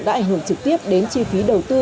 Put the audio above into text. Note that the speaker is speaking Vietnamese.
đã hưởng trực tiếp đến chi phí đầu tư